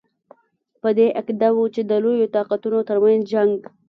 په دې عقیده وو چې د لویو طاقتونو ترمنځ جنګ.